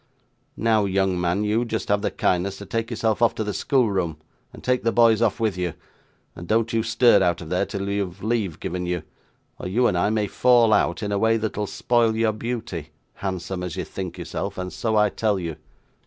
Now, young man, you just have the kindness to take yourself off to the schoolroom, and take the boys off with you, and don't you stir out of there till you have leave given you, or you and I may fall out in a way that'll spoil your beauty, handsome as you think yourself, and so I tell you.